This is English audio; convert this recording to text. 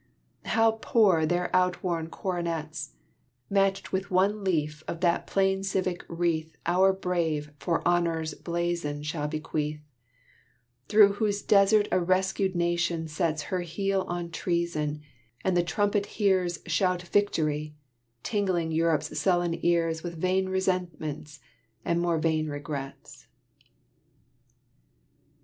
How poor their outworn coronets, Matched with one leaf of that plain civic wreath Our brave for honor's blazon shall bequeath, Through whose desert a rescued Nation sets Her heel on treason, and the trumpet hears Shout victory, tingling Europe's sullen ears With vain resentments and more vain regrets!